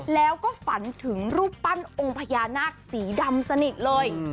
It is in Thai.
แล้วก็ฝันถึงรูปปั้นองค์พญานาคสีดำสนิทเลย